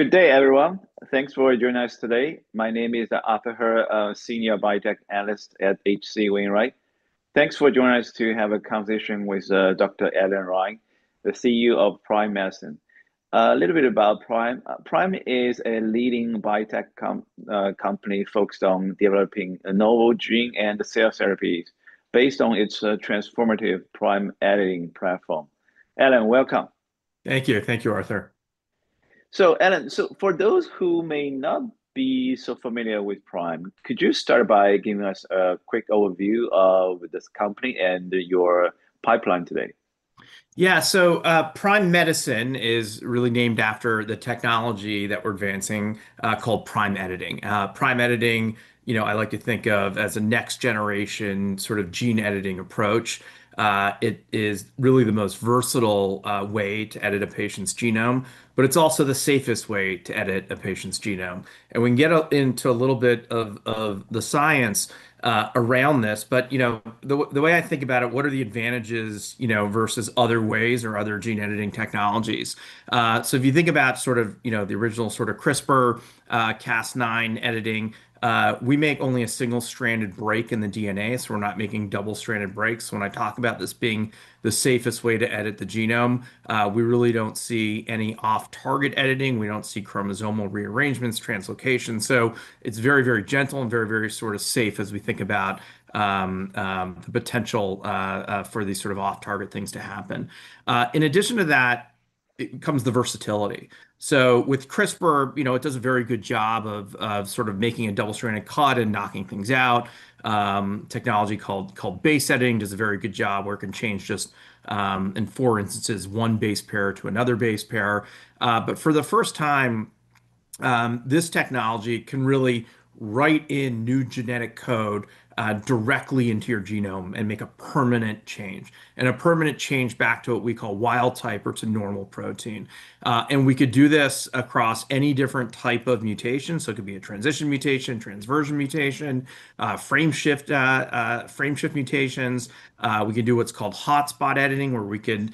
Good day, everyone. Thanks for joining us today. My name is Arthur He, Senior Biotech Analyst at H.C. Wainwright & Co. Thanks for joining us to have a conversation with Dr. Allan Reine, the CEO of Prime Medicine. A little bit about Prime. Prime is a leading biotech company focused on developing novel gene and cell therapies based on its transformative Prime Editing platform. Allan, welcome. Thank you. Thank you, Arthur. So, Allan, for those who may not be so familiar with Prime, could you start by giving us a quick overview of this company and your pipeline today? Yeah, so Prime Medicine is really named after the technology that we're advancing called Prime Editing. Prime Editing, you know, I like to think of as a next-generation sort of gene editing approach. It is really the most versatile way to edit a patient's genome, but it's also the safest way to edit a patient's genome. And we can get into a little bit of the science around this, but, you know, the way I think about it, what are the advantages, you know, versus other ways or other gene editing technologies? So if you think about sort of, you know, the original sort of CRISPR-Cas9 editing, we make only a single-stranded break in the DNA, so we're not making double-stranded breaks. When I talk about this being the safest way to edit the genome, we really don't see any off-target editing. We don't see chromosomal rearrangements, translocation. So it's very, very gentle and very, very sort of safe as we think about the potential for these sort of off-target things to happen. In addition to that, it comes the versatility. So with CRISPR, you know, it does a very good job of sort of making a double-stranded cut and knocking things out. Technology called base editing does a very good job where it can change just, in four instances, one base pair to another base pair. But for the first time, this technology can really write in new genetic code directly into your genome and make a permanent change. And a permanent change back to what we call wild type or to normal protein. And we could do this across any different type of mutation. So it could be a transition mutation, transversion mutation, frame shift mutations. We can do what's called Hotspot editing, where we can,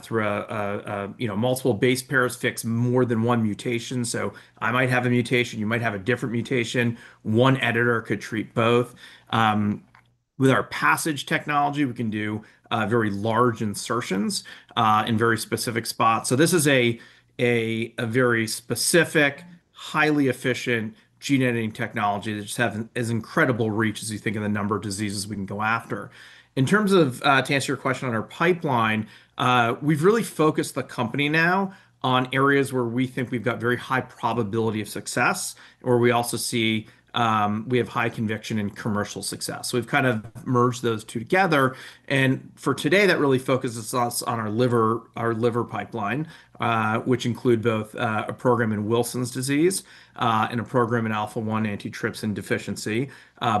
through multiple base pairs, fix more than one mutation, so I might have a mutation, you might have a different mutation. One editor could treat both. With our PASSIGE technology, we can do very large insertions in very specific spots, so this is a very specific, highly efficient gene editing technology that just has incredible reach, as you think of the number of diseases we can go after. In terms of, to answer your question on our pipeline, we've really focused the company now on areas where we think we've got very high probability of success, or we also see we have high conviction in commercial success, so we've kind of merged those two together. And for today, that really focuses us on our liver pipeline, which includes both a program in Wilson's disease and a program in alpha-1 antitrypsin deficiency.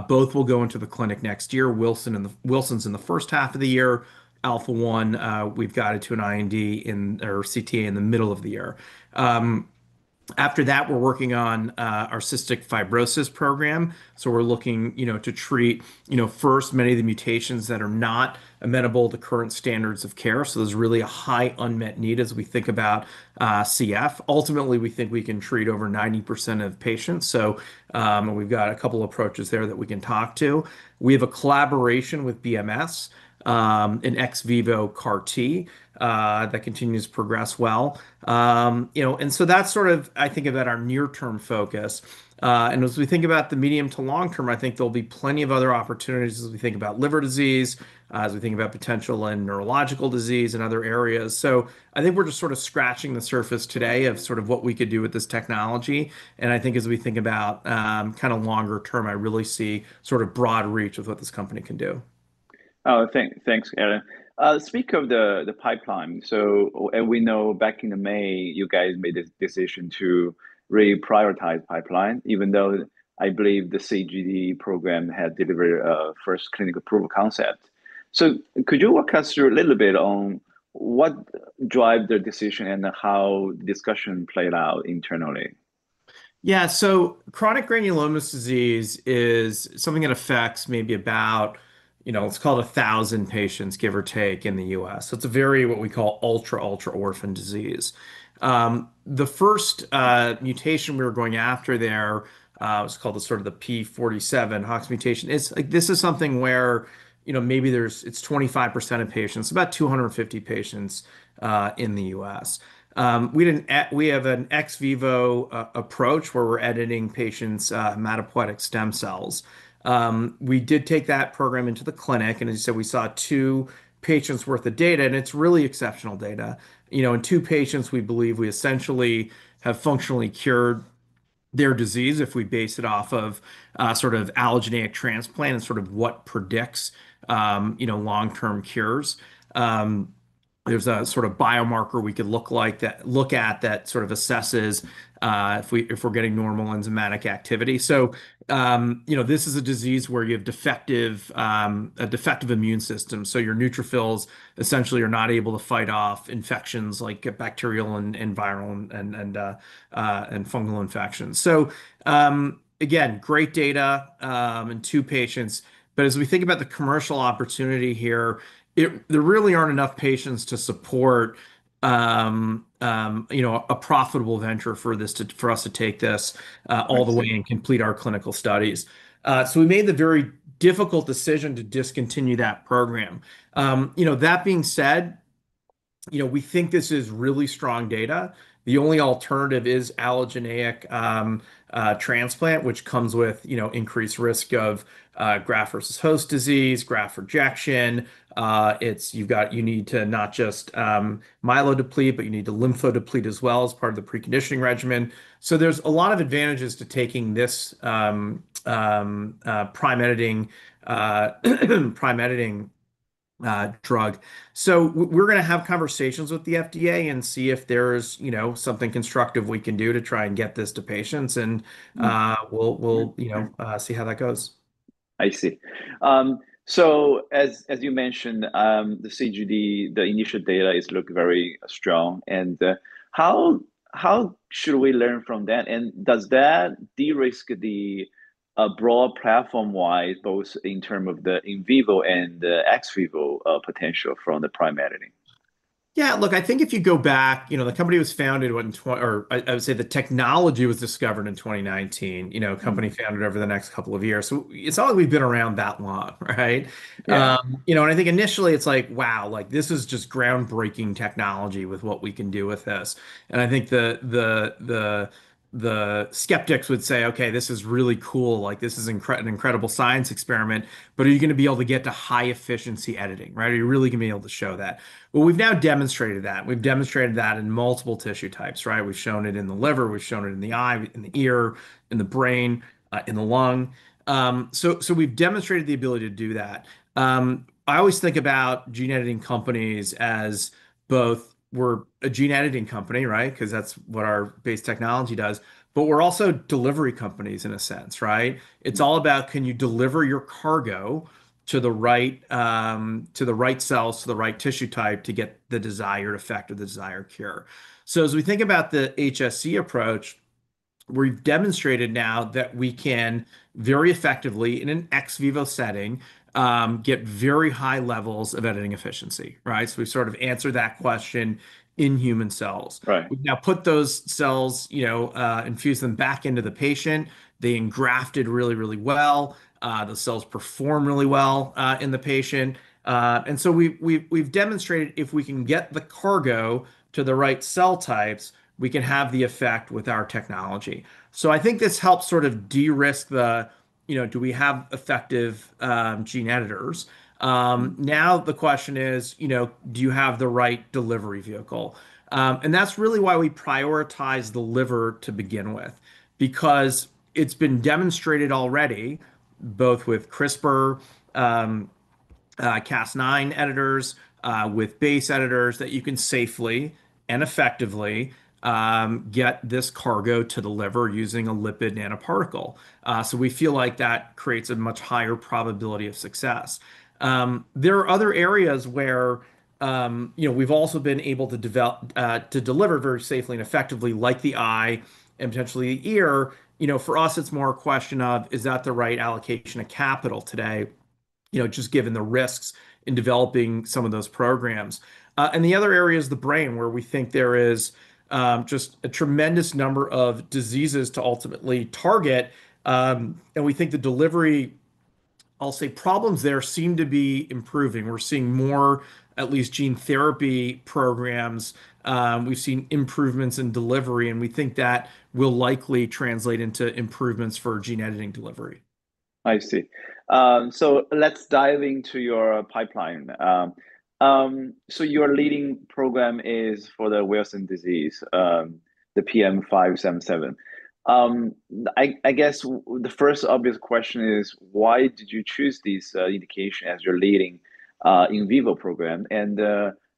Both will go into the clinic next year. Wilson's in the first half of the year. Alpha-1, we've got it to an IND or CTA in the middle of the year. After that, we're working on our cystic fibrosis program. So we're looking, you know, to treat, you know, first, many of the mutations that are not amenable to current standards of care. So there's really a high unmet need as we think about CF. Ultimately, we think we can treat over 90% of patients. So we've got a couple of approaches there that we can talk to. We have a collaboration with BMS and ex vivo CAR-T that continues to progress well. You know, and so that's sort of, I think, about our near-term focus. And as we think about the medium to long term, I think there'll be plenty of other opportunities as we think about liver disease, as we think about potential in neurological disease and other areas. So I think we're just sort of scratching the surface today of sort of what we could do with this technology. And I think as we think about kind of longer term, I really see sort of broad reach of what this company can do. Oh, thanks, Allan. Speaking of the pipeline, so we know back in May, you guys made the decision to re-prioritize pipeline, even though I believe the CGD program had delivered a first clinical proof of concept. So could you walk us through a little bit on what drives the decision and how the discussion played out internally? Yeah, so chronic granulomatous disease is something that affects maybe about, you know, let's call it 1,000 patients, give or take, in the U.S. So it's a very, what we call, ultra, ultra orphan disease. The first mutation we were going after there was called the sort of the p47phox mutation. This is something where, you know, maybe it's 25% of patients, about 250 patients in the U.S. We have an ex vivo approach where we're editing patients' hematopoietic stem cells. We did take that program into the clinic. And as you said, we saw two patients' worth of data, and it's really exceptional data. You know, in two patients, we believe we essentially have functionally cured their disease if we base it off of sort of allogeneic transplant and sort of what predicts, you know, long-term cures. There's a sort of biomarker we could look at that sort of assesses if we're getting normal enzymatic activity. So, you know, this is a disease where you have a defective immune system. So your neutrophils essentially are not able to fight off infections like bacterial and viral and fungal infections. So, again, great data in two patients. But as we think about the commercial opportunity here, there really aren't enough patients to support, you know, a profitable venture for us to take this all the way and complete our clinical studies. So we made the very difficult decision to discontinue that program. You know, that being said, you know, we think this is really strong data. The only alternative is allogeneic transplant, which comes with, you know, increased risk of graft versus host disease, graft rejection. You need to not just myelodeplete, but you need to lymphodeplete as well as part of the preconditioning regimen, so there's a lot of advantages to taking this Prime Editing drug, so we're going to have conversations with the FDA and see if there's, you know, something constructive we can do to try and get this to patients, and we'll, you know, see how that goes. I see. So, as you mentioned, the CGD, the initial data look very strong. And how should we learn from that? And does that de-risk the broad platform-wise, both in terms of the in vivo and ex vivo potential from the Prime Editing? Yeah, look, I think if you go back, you know, the company was founded when I would say the technology was discovered in 2019, you know, a company founded over the next couple of years. So it's not like we've been around that long, right? You know, and I think initially, it's like, wow, like this is just groundbreaking technology with what we can do with this. And I think the skeptics would say, okay, this is really cool. Like, this is an incredible science experiment. But are you going to be able to get to high-efficiency editing, right? Are you really going to be able to show that? Well, we've now demonstrated that. We've demonstrated that in multiple tissue types, right? We've shown it in the liver. We've shown it in the eye, in the ear, in the brain, in the lung. So we've demonstrated the ability to do that. I always think about gene editing companies as both we're a gene editing company, right? Because that's what our base technology does. But we're also delivery companies in a sense, right? It's all about, can you deliver your cargo to the right cells, to the right tissue type to get the desired effect or the desired cure? So as we think about the HSC approach, we've demonstrated now that we can very effectively, in an ex vivo setting, get very high levels of editing efficiency, right? So we've sort of answered that question in human cells. We've now put those cells, you know, infused them back into the patient. They engrafted really, really well. The cells perform really well in the patient. And so we've demonstrated if we can get the cargo to the right cell types, we can have the effect with our technology. So I think this helps sort of de-risk the, you know, do we have effective gene editors? Now the question is, you know, do you have the right delivery vehicle? And that's really why we prioritize the liver to begin with, because it's been demonstrated already, both with CRISPR-Cas9 editors, with base editors, that you can safely and effectively get this cargo to the liver using a lipid nanoparticle. So we feel like that creates a much higher probability of success. There are other areas where, you know, we've also been able to deliver very safely and effectively, like the eye and potentially the ear. You know, for us, it's more a question of, is that the right allocation of capital today, you know, just given the risks in developing some of those programs? And the other area is the brain, where we think there is just a tremendous number of diseases to ultimately target. And we think the delivery, I'll say, problems there seem to be improving. We're seeing more, at least, gene therapy programs. We've seen improvements in delivery, and we think that will likely translate into improvements for gene editing delivery. I see. So let's dive into your pipeline. So your leading program is for Wilson's disease, the PM577. I guess the first obvious question is, why did you choose this indication as your leading in vivo program? And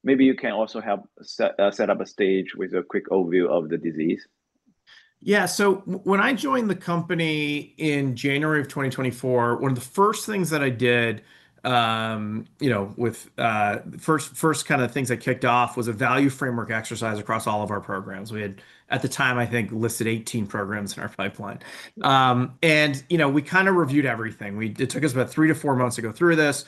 maybe you can also help set the stage with a quick overview of the disease. Yeah, so when I joined the company in January of 2024, one of the first things that I did, you know, the first kind of things that kicked off was a value framework exercise across all of our programs. We had, at the time, I think, listed 18 programs in our pipeline. And, you know, we kind of reviewed everything. It took us about three to four months to go through this.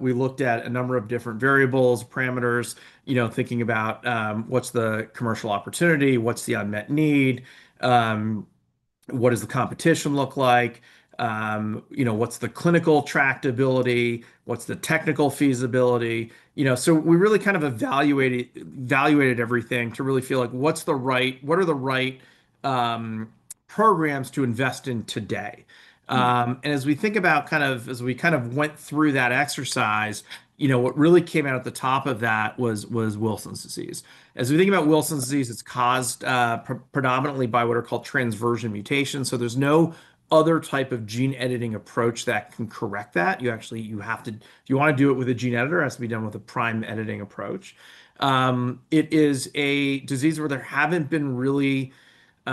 We looked at a number of different variables, parameters, you know, thinking about what's the commercial opportunity, what's the unmet need, what does the competition look like, you know, what's the clinical tractability, what's the technical feasibility. You know, so we really kind of evaluated everything to really feel like what's the right, what are the right programs to invest in today. And as we think about kind of as we kind of went through that exercise, you know, what really came out at the top of that was Wilson's disease. As we think about Wilson's disease, it's caused predominantly by what are called transversion mutations. So there's no other type of gene editing approach that can correct that. You actually have to, if you want to do it with a gene editor, it has to be done with a Prime Editing approach. It is a disease where there haven't been really, you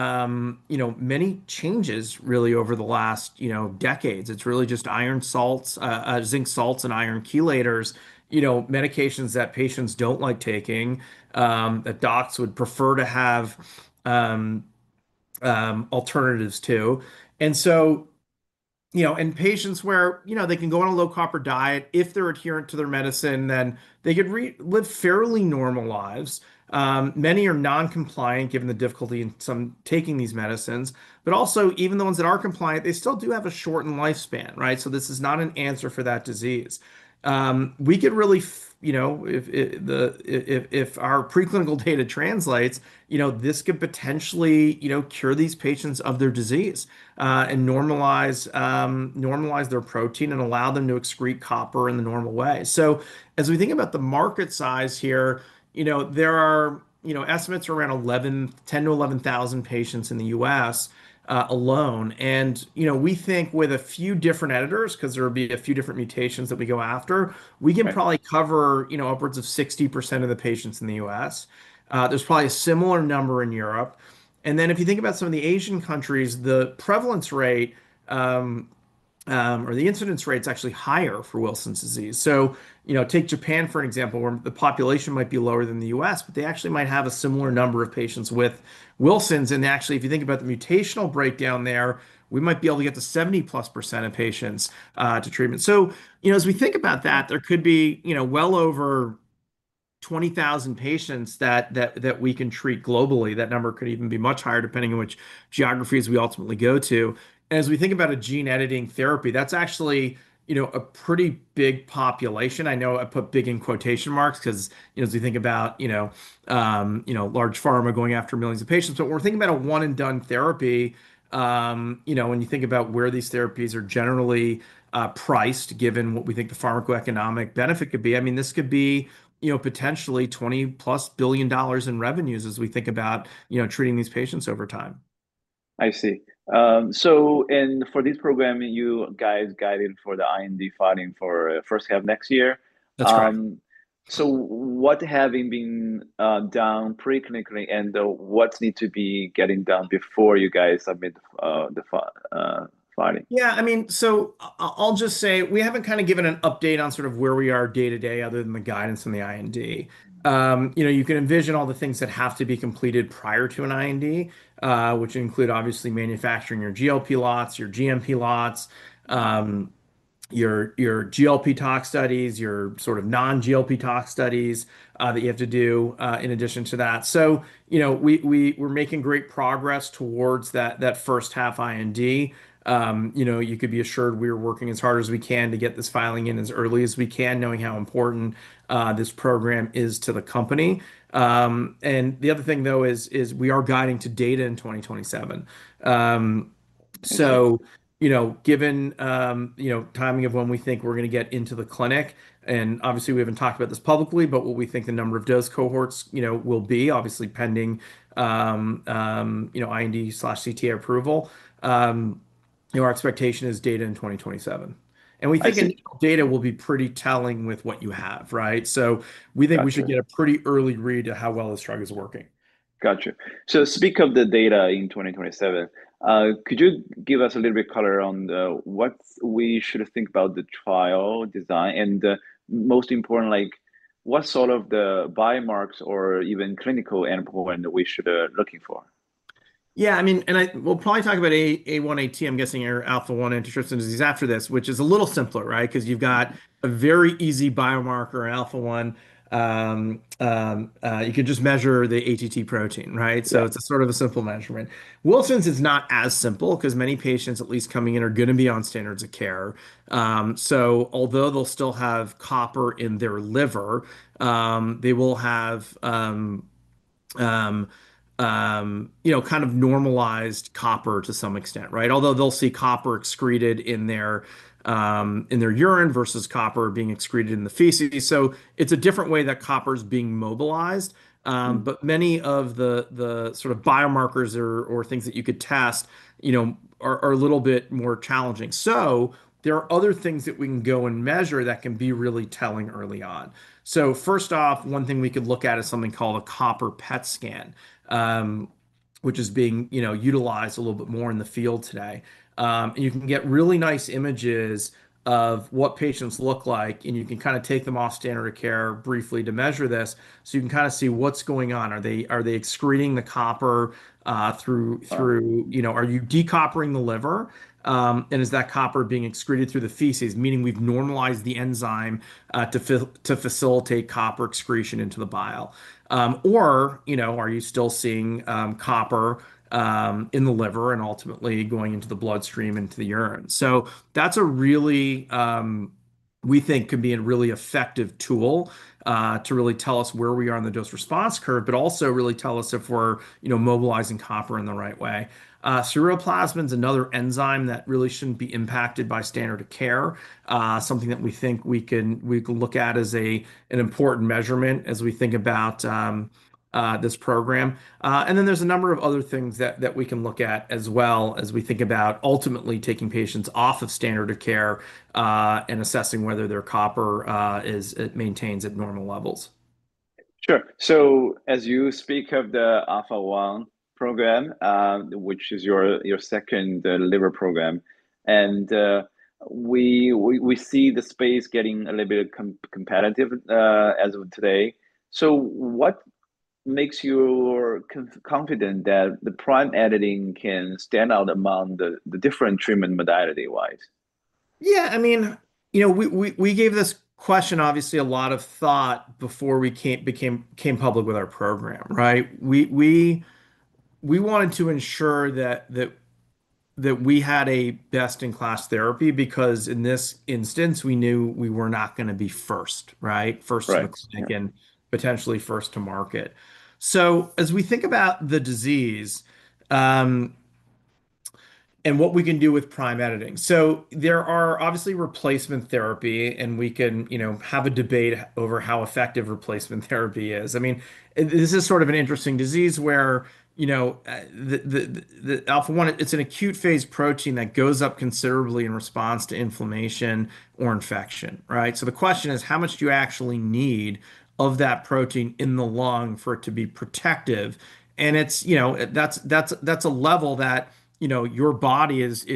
know, many changes, really, over the last, you know, decades. It's really just iron salts, zinc salts, and iron chelators, you know, medications that patients don't like taking, that docs would prefer to have alternatives to. And so, you know, in patients where, you know, they can go on a low-carb diet, if they're adherent to their medicine, then they could live fairly normal lives. Many are non-compliant, given the difficulty in some taking these medicines. But also, even the ones that are compliant, they still do have a shortened lifespan, right? So this is not an answer for that disease. We could really, you know, if our preclinical data translates, you know, this could potentially, you know, cure these patients of their disease and normalize their protein and allow them to excrete copper in the normal way. So as we think about the market size here, you know, there are, you know, estimates around 10,000-11,000 patients in the U.S. alone. And, you know, we think with a few different editors, because there would be a few different mutations that we go after, we can probably cover, you know, upwards of 60% of the patients in the U.S. There's probably a similar number in Europe. And then if you think about some of the Asian countries, the prevalence rate or the incidence rate is actually higher for Wilson's disease. So, you know, take Japan, for an example, where the population might be lower than the U.S., but they actually might have a similar number of patients with Wilson's. And actually, if you think about the mutational breakdown there, we might be able to get to 70+% of patients to treatment. So, you know, as we think about that, there could be, you know, well over 20,000 patients that we can treat globally. That number could even be much higher, depending on which geographies we ultimately go to. And as we think about a gene editing therapy, that's actually, you know, a pretty big population. I know I put big in quotation marks because, you know, as we think about, you know, large pharma going after millions of patients. But when we're thinking about a one-and-done therapy, you know, when you think about where these therapies are generally priced, given what we think the pharmacoeconomic benefit could be, I mean, this could be, you know, potentially $20+ billion in revenues as we think about, you know, treating these patients over time. I see. So for this program, you guys guided for the IND filing for first half next year. That's correct. So what has been done preclinically and what needs to be getting done before you guys submit the filing? Yeah, I mean, so I'll just say we haven't kind of given an update on sort of where we are day-to-day other than the guidance and the IND. You know, you can envision all the things that have to be completed prior to an IND, which include, obviously, manufacturing your GLP lots, your GMP lots, your GLP tox studies, your sort of non-GLP tox studies that you have to do in addition to that. So, you know, we're making great progress towards that first half IND. You know, you could be assured we are working as hard as we can to get this filing in as early as we can, knowing how important this program is to the company, and the other thing, though, is we are guiding to data in 2027. So, you know, given, you know, timing of when we think we're going to get into the clinic, and obviously, we haven't talked about this publicly, but what we think the number of dose cohorts, you know, will be, obviously, pending, you know, IND/CTA approval. You know, our expectation is data in 2027, and we think data will be pretty telling with what you have, right, so we think we should get a pretty early read of how well this drug is working. Gotcha. So speak of the data in 2027. Could you give us a little bit of color on what we should think about the trial design? And most important, like, what sort of the biomarkers or even clinical endpoint we should be looking for? Yeah, I mean, and we'll probably talk about A1AT, I'm guessing, or Alpha-1 interstitial disease after this, which is a little simpler, right? Because you've got a very easy biomarker, Alpha-1. You could just measure the AAT protein, right? So it's a sort of a simple measurement. Wilson's is not as simple because many patients, at least coming in, are going to be on standards of care. So although they'll still have copper in their liver, they will have, you know, kind of normalized copper to some extent, right? Although they'll see copper excreted in their urine versus copper being excreted in the feces. So it's a different way that copper is being mobilized. But many of the sort of biomarkers or things that you could test, you know, are a little bit more challenging. So there are other things that we can go and measure that can be really telling early on. So first off, one thing we could look at is something called a copper PET scan, which is being, you know, utilized a little bit more in the field today. And you can get really nice images of what patients look like, and you can kind of take them off standard of care briefly to measure this. So you can kind of see what's going on. Are they excreting the copper through, you know, are you de-coppering the liver? And is that copper being excreted through the feces, meaning we've normalized the enzyme to facilitate copper excretion into the bile? Or, you know, are you still seeing copper in the liver and ultimately going into the bloodstream into the urine? So that's a really, we think, could be a really effective tool to really tell us where we are on the dose-response curve, but also really tell us if we're, you know, mobilizing copper in the right way. Ceruloplasmin is another enzyme that really shouldn't be impacted by standard of care, something that we think we can look at as an important measurement as we think about this program. And then there's a number of other things that we can look at as well as we think about ultimately taking patients off of standard of care and assessing whether their copper maintains at normal levels. Sure. So as you speak of the Alpha-1 program, which is your second liver program, and we see the space getting a little bit competitive as of today. So what makes you confident that the Prime Editing can stand out among the different treatment modality-wise? Yeah, I mean, you know, we gave this question, obviously, a lot of thought before we became public with our program, right? We wanted to ensure that we had a best-in-class therapy because in this instance, we knew we were not going to be first, right? First in the clinic and potentially first to market, so as we think about the disease and what we can do with Prime Editing, so there are obviously replacement therapy, and we can, you know, have a debate over how effective replacement therapy is. I mean, this is sort of an interesting disease where, you know, the Alpha-1, it's an acute-phase protein that goes up considerably in response to inflammation or infection, right, so the question is, how much do you actually need of that protein in the lung for it to be protective? And it's, you know, that's a level that, you know, your body is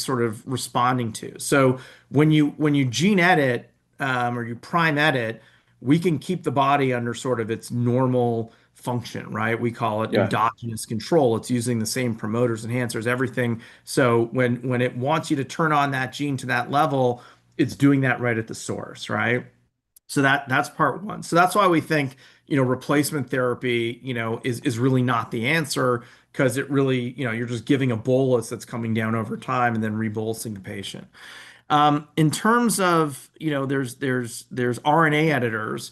sort of responding to. So when you gene edit or you Prime Edit, we can keep the body under sort of its normal function, right? We call it endogenous control. It's using the same promoters, enhancers, everything. So when it wants you to turn on that gene to that level, it's doing that right at the source, right? So that's part one. So that's why we think, you know, replacement therapy, you know, is really not the answer because it really, you know, you're just giving a bolus that's coming down over time and then rebolusing the patient. In terms of, you know, there's RNA editors.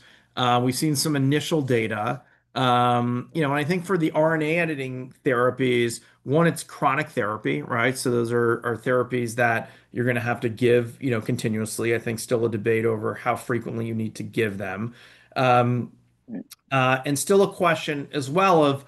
We've seen some initial data. You know, and I think for the RNA editing therapies, one, it's chronic therapy, right? So those are therapies that you're going to have to give, you know, continuously. I think still a debate over how frequently you need to give them. And still a question as well of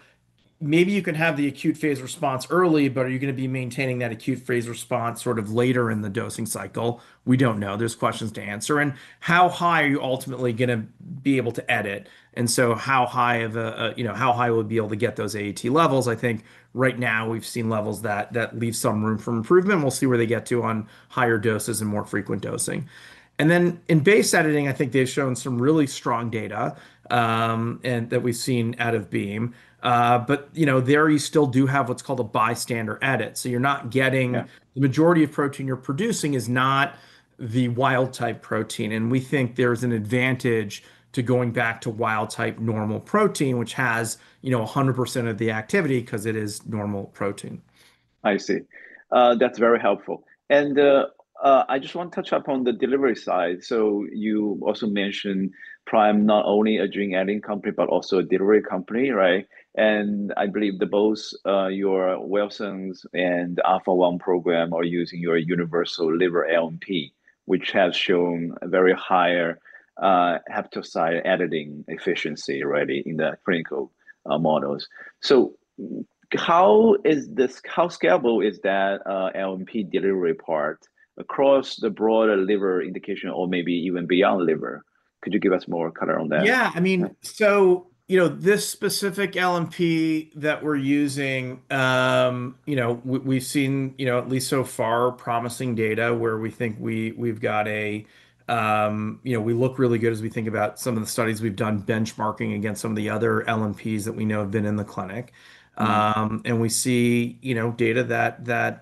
maybe you can have the acute-phase response early, but are you going to be maintaining that acute-phase response sort of later in the dosing cycle? We don't know. There's questions to answer. And how high are you ultimately going to be able to edit? And so how high of a, you know, how high will it be able to get those AAT levels? I think right now we've seen levels that leave some room for improvement. We'll see where they get to on higher doses and more frequent dosing. And then in base editing, I think they've shown some really strong data that we've seen out of Beam. But, you know, there you still do have what's called a bystander edit. So you're not getting the majority of protein you're producing is not the wild-type protein. And we think there's an advantage to going back to wild-type normal protein, which has, you know, 100% of the activity because it is normal protein. I see. That's very helpful. And I just want to touch up on the delivery side. So you also mentioned Prime not only a gene editing company, but also a delivery company, right? And I believe both your Wilson's and Alpha-1 program are using your universal liver LNP, which has shown a very high hepatocyte editing efficiency already in the clinical models. So how scalable is that LNP delivery part across the broader liver indication or maybe even beyond liver? Could you give us more color on that? Yeah, I mean, so, you know, this specific LNP that we're using, you know, we've seen, you know, at least so far, promising data where we think we've got a, you know, we look really good as we think about some of the studies we've done benchmarking against some of the other LNPs that we know have been in the clinic, and we see, you know, data that,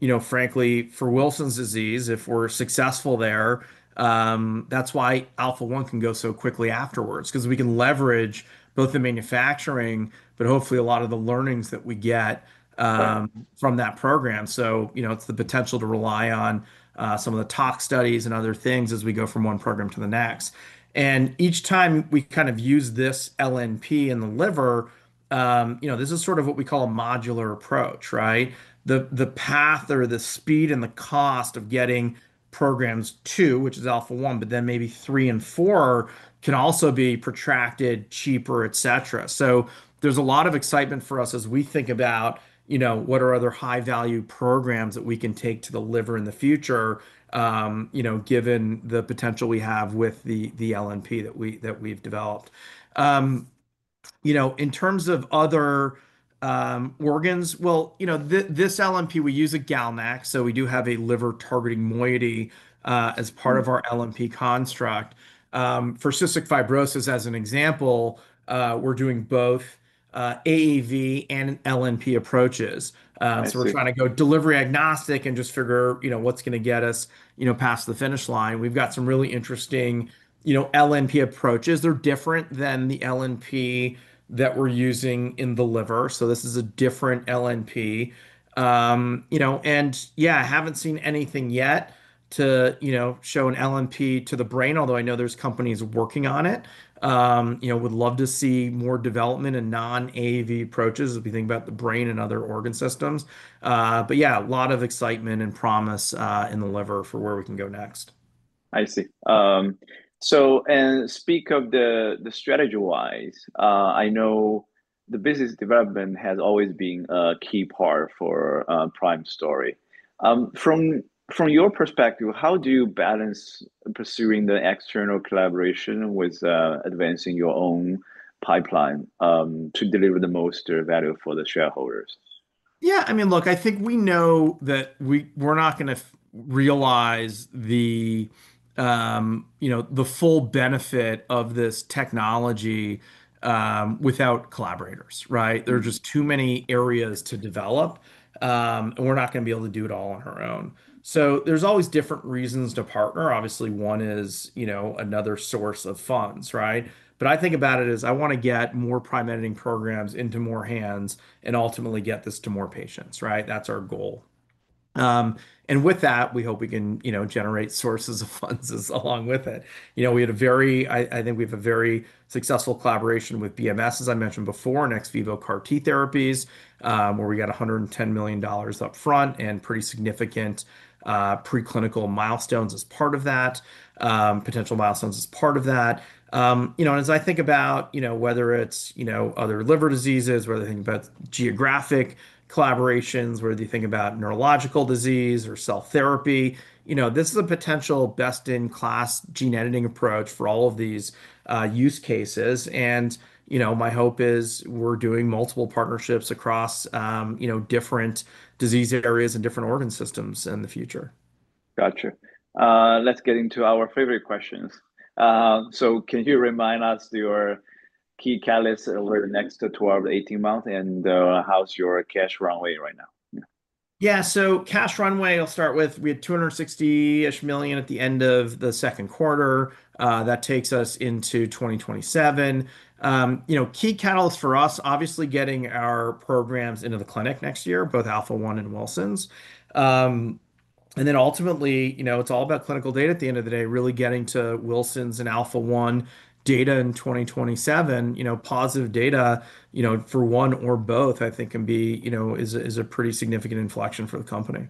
you know, frankly, for Wilson's disease, if we're successful there, that's why Alpha-1 can go so quickly afterwards, because we can leverage both the manufacturing, but hopefully a lot of the learnings that we get from that program, so, you know, it's the potential to rely on some of the tox studies and other things as we go from one program to the next. And each time we kind of use this LNP in the liver, you know, this is sort of what we call a modular approach, right? The path or the speed and the cost of getting programs two, which is Alpha-1, but then maybe three and four can also be protracted, cheaper, et cetera. So there's a lot of excitement for us as we think about, you know, what are other high-value programs that we can take to the liver in the future, you know, given the potential we have with the LNP that we've developed. You know, in terms of other organs, well, you know, this LNP, we use a GalNAc. So we do have a liver-targeting moiety as part of our LNP construct. For cystic fibrosis, as an example, we're doing both AAV and LNP approaches. So we're trying to go delivery agnostic and just figure, you know, what's going to get us, you know, past the finish line. We've got some really interesting, you know, LNP approaches. They're different than the LNP that we're using in the liver. So this is a different LNP, you know. And yeah, I haven't seen anything yet to, you know, show an LNP to the brain, although I know there's companies working on it. You know, would love to see more development in non-AAV approaches if we think about the brain and other organ systems. But yeah, a lot of excitement and promise in the liver for where we can go next. I see. So and speak of the strategy-wise, I know the business development has always been a key part for Prime story. From your perspective, how do you balance pursuing the external collaboration with advancing your own pipeline to deliver the most value for the shareholders? Yeah, I mean, look, I think we know that we're not going to realize the, you know, the full benefit of this technology without collaborators, right? There are just too many areas to develop, and we're not going to be able to do it all on our own. So there's always different reasons to partner. Obviously, one is, you know, another source of funds, right? But I think about it as I want to get more Prime Editing programs into more hands and ultimately get this to more patients, right? That's our goal, and with that, we hope we can, you know, generate sources of funds along with it. You know, we had a very, I think we have a very successful collaboration with BMS, as I mentioned before, ex vivo CAR-T therapies, where we got $110 million upfront and pretty significant preclinical milestones as part of that, potential milestones as part of that. You know, and as I think about, you know, whether it's, you know, other liver diseases, whether you think about geographic collaborations, whether you think about neurological disease or cell therapy, you know, this is a potential best-in-class gene editing approach for all of these use cases. And, you know, my hope is we're doing multiple partnerships across, you know, different disease areas and different organ systems in the future. Gotcha. Let's get into our favorite questions. So can you remind us your key catalysts over the next 12-18 months and how's your cash runway right now? Yeah, so cash runway, I'll start with, we had $260-ish million at the end of the second quarter. That takes us into 2027. You know, key catalysts for us, obviously getting our programs into the clinic next year, both Alpha-1 and Wilson's. And then ultimately, you know, it's all about clinical data at the end of the day, really getting to Wilson's and Alpha-1 data in 2027, you know, positive data, you know, for one or both, I think can be, you know, is a pretty significant inflection for the company.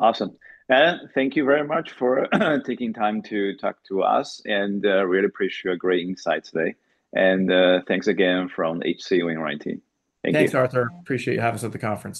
Awesome. And thank you very much for taking time to talk to us. And I really appreciate your great insights today. And thanks again from H.C. Wainwright. Thank you. Thanks, Arthur. Appreciate you having us at the conference.